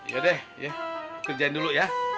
yaudah kerjain dulu ya